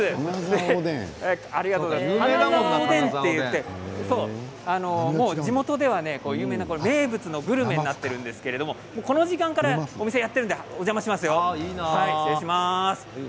金沢おでんといって有名な名物のグルメになっているものなんですけれどもこの時間からお店をやっているのでお邪魔します。